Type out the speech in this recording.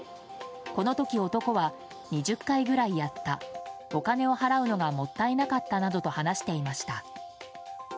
この時、男は２０回ぐらいやったお金を払うのがもったいなかったなどと話していました。